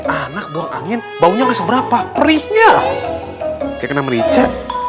anak doang angin baunya seberapa perihnya kena merica